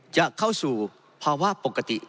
จะเข้าสู่ภาวะปกติ